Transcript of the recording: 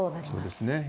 そうですね。